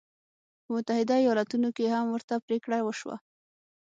په متحده ایالتونو کې هم ورته پرېکړه وشوه.